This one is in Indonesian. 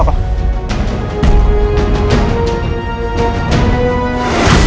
aku mau ke rumah